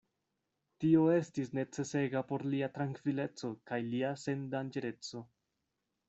Tio estis necesega por lia trankvileco kaj lia sendanĝereco.